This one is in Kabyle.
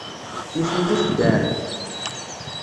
Nitni d ixeddaɛen.